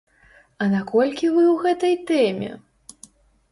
А наколькі вы ў гэтай тэме?